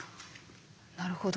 なるほど。